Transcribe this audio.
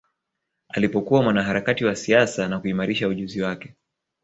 Alipokuwa mwanaharakati wa siasa na kuimarisha ujuzi wake